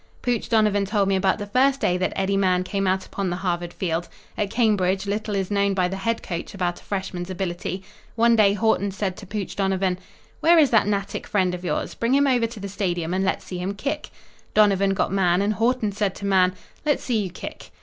Pooch Donovan told me about the first day that Eddie Mahan came out upon the Harvard field. At Cambridge, little is known by the head coach about a freshman's ability. One day Haughton said to Pooch Donovan: "Where is that Natick friend of yours? Bring him over to the Stadium and let's see him kick." Donovan got Mahan and Haughton said to Mahan: "Let's see you kick."